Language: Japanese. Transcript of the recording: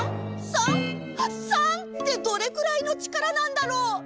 ３？３？３？３ってどれくらいの力なんだろう？